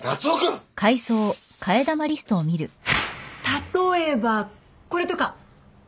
例えばこれとか